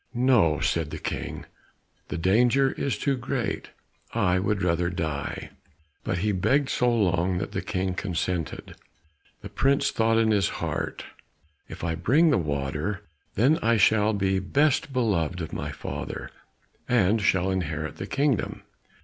"No," said the King, "the danger of it is too great. I would rather die." But he begged so long that the King consented. The prince thought in his heart, "If I bring the water, then I shall be best beloved of my father, and shall inherit the kingdom."